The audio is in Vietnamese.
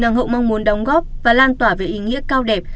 làng hậu mong muốn đóng góp và lan tỏa về ý nghĩa cao đẹp